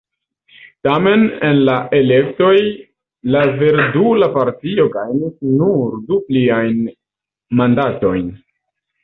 Tamen en la elektoj la Verdula Partio gajnis nur du pliajn mandatojn.